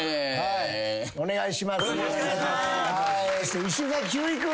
お願いします。